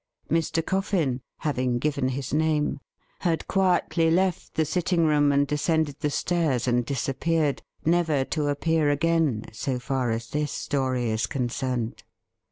Mr. Coffin, having given his name, had quietly left the sitting room and descended the stairs and disappeared, never to appear again, so far as this story is concerned.